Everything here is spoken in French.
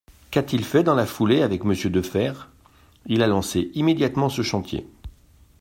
Qu’a-t-il fait dans la foulée avec Monsieur Defferre ? Il a lancé immédiatement ce chantier.